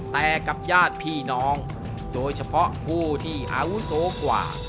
แต่กับญาติพี่น้องโดยเฉพาะผู้ที่อาวุโสกว่า